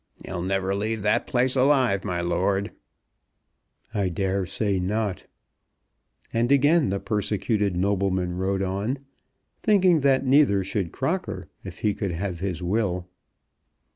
"He'll never leave that place alive, my lord." "I dare say not." And again the persecuted nobleman rode on, thinking that neither should Crocker, if he could have his will.